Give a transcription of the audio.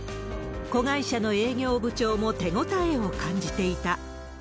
子会社の営業部長も手応えを感じていた。